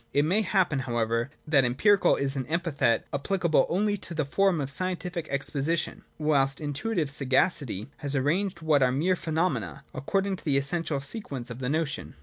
It may happen, however, that empirical is an epithet applicable only to the form of scientific ex position ; whilst intuitive sagacity has arranged what are mere phenomena, According to the essential se quence of the notion.